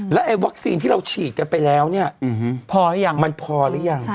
และไอ้วัคซีนที่เราฉีดไปแล้วมันพอหรือยัง